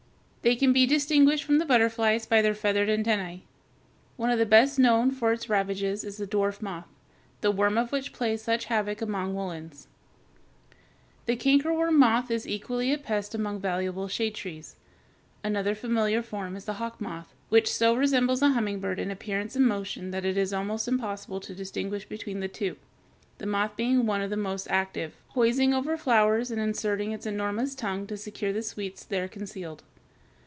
They can be distinguished from the butterflies by their feathered antennæ. One of the best known for its ravages is the dwarf moth, the worm of which plays such havoc among woolens. The cankerworm moth is equally a pest among valuable shade trees. Another familiar form is the hawk moth (Fig. 238), which so resembles a humming bird in appearance and motion that it is almost impossible to distinguish between the two, the moth being one of the most active, poising over flowers and inserting its enormous tongue to secure the sweets there concealed.